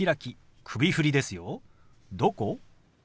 「どこ？」。